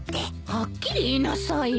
はっきり言いなさいよ。